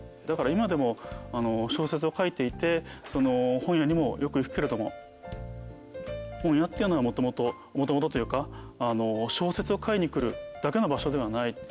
だから今でも小説を書いていて本屋にもよく行くけれども本屋っていうのはもともともともとというか小説を買いに来るだけの場所ではない。